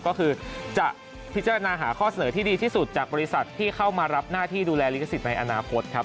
ก็คือจะพิจารณาหาข้อเสนอที่ดีที่สุดจากบริษัทที่เข้ามารับหน้าที่ดูแลลิขสิทธิ์ในอนาคตครับ